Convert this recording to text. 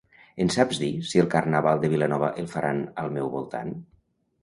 Em saps dir si el Carnaval de Vilanova el faran al meu voltant?